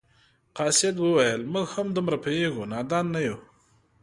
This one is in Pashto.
قاصد وویل موږ هم دومره پوهیږو نادان نه یو.